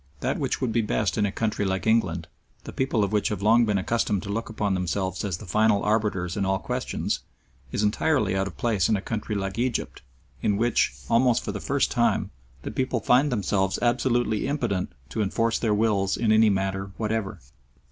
That which would be best in a country like England, the people of which have long been accustomed to look upon themselves as the final arbiters in all questions, is entirely out of place in a country like Egypt in which, almost for the first time, the people find themselves absolutely impotent to enforce their wills in any matter whatever.